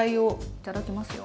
いただきますよ。